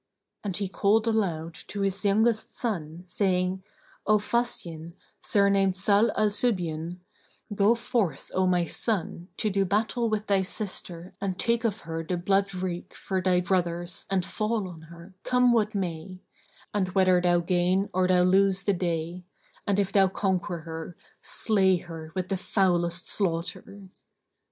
And he called aloud to his youngest son, saying, "O Fasyбn, surnamed Salh al Subyбn,[FN#15] go forth, O my son, to do battle with thy sister and take of her the blood wreak for thy brothers and fall on her, come what may; and whether thou gain or thou lose the day;[FN#16] and if thou conquer her, slay her with foulest slaughter!"